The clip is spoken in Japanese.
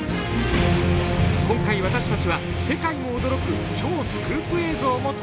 今回私たちは世界も驚く超スクープ映像も撮りました。